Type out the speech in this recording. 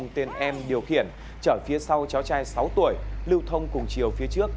tên em điều khiển chở phía sau cháu trai sáu tuổi lưu thông cùng chiều phía trước